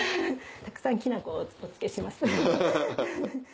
たくさんきな粉をお付けします。